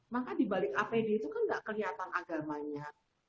maka dibalik apd itu kan tidak kelihatan agamanya